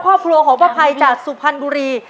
ครอบครัวของป้าภัยจากสุพรรณบุรี